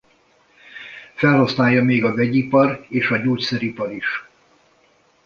Felhasználja még a vegyipar és gyógyszeripar is.